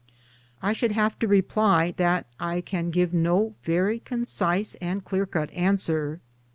I should have to reply that I can give no very concise and clearcut answer.